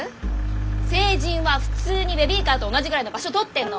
成人は普通にベビーカーと同じぐらいの場所とってんの。